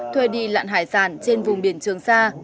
thuê đi lặn hải sản trên vùng biển trường sa